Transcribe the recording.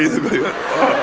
jadi bener ini jadi